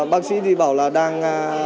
bác sĩ thì bảo là đang